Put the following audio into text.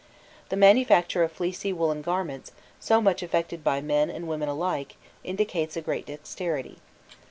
The manufacture of fleecy woollen garments so much affected by men and women alike indicates a great dexterity.